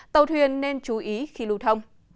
tàu thuyền nên chú ý khi lưu thông